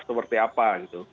seperti apa gitu